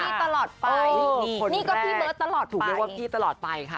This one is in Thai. พี่ตลอดไปนี่ก็พี่เบิร์ตตลอดถูกเรียกว่าพี่ตลอดไปค่ะ